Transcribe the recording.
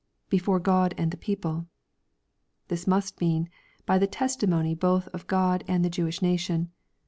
[Before God and the people.] This must mean " By the testi mony botii of God and the Jewish nation."